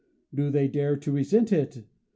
Do they dare to resent it ?